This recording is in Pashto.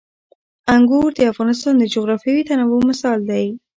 انګور د افغانستان د جغرافیوي تنوع مثال دی.